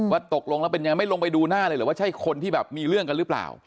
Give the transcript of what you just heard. ตกลงแล้วเป็นยังไงไม่ลงไปดูหน้าเลยเหรอว่าใช่คนที่แบบมีเรื่องกันหรือเปล่า